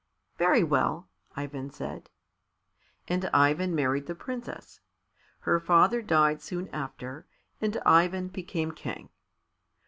"Very well," Ivan said. And Ivan married the princess. Her father died soon after, and Ivan became King.